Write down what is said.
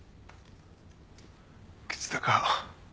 橘高